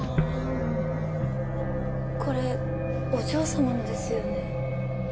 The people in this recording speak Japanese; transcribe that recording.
これお嬢様のですよね？